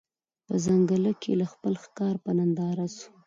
په ځنګله کي د خپل ښکار په ننداره سو